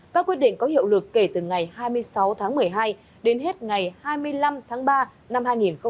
các quyết định có hiệu lực kể từ ngày hai mươi sáu tháng một mươi hai đến hết ngày hai mươi năm tháng ba năm hai nghìn hai mươi